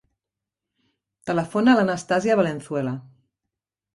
Telefona a l'Anastàsia Valenzuela.